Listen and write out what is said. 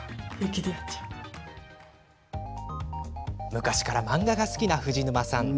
昔から漫画が好きな藤沼さん。